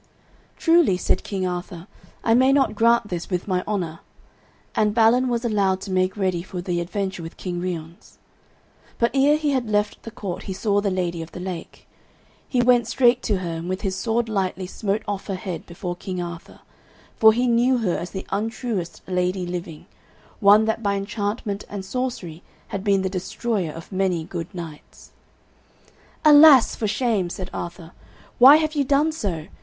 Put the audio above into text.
"Truly," said King Arthur, "I may not grant this with my honour," and Balin was allowed to make ready for the adventure with King Ryons. But ere he had left the court he saw the Lady of the Lake. He went straight to her, and with his sword lightly smote off her head before King Arthur, for he knew her as the untruest lady living, one that by enchantment and sorcery had been the destroyer of many good knights. "Alas! for shame," said Arthur. "Why have ye done so?